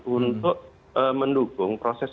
untuk mendukung proses